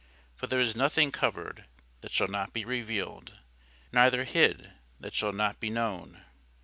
For there is nothing covered, that shall not be revealed; neither hid, that shall not be known.